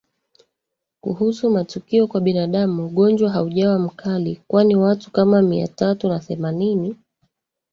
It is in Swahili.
Kuhusu matukio kwa binadamu ugonjwa haujawa mkali kwani watu kama Mia tatu na themanini